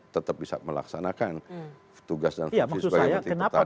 tetap bisa melaksanakan tugas dan fungsi sebagai menteri pertahanan